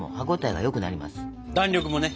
弾力もね。